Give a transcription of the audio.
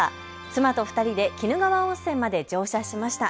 妻と２人で鬼怒川温泉まで乗車しました。